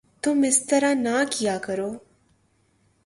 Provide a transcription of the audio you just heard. تم اس طرح نہ کیا کرو